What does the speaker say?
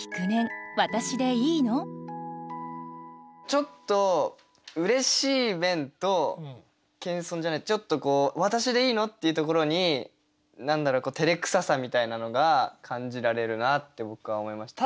ちょっとうれしい面と謙遜じゃないちょっとこう「わたしでいいの？」っていうところにてれくささみたいなのが感じられるなって僕は思いました。